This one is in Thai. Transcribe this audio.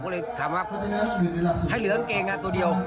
ผมเลยถามหรอกให้เหลืองกังตัวเดียว